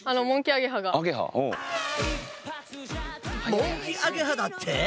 モンキアゲハだって！？